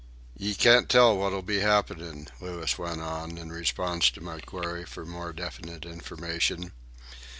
"Ye can't tell what'll be happenin'," Louis went on, in response to my query for more definite information.